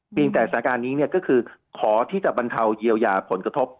แต่สถานการณ์นี้ก็คือขอที่จะบรรเทาเยียวยาผลกระทบ